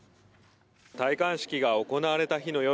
戴冠式が行われた日の夜